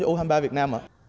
u hai mươi ba việt nam ạ